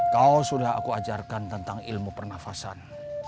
kau sudah aku ajarkan tentang ilmu pernafasan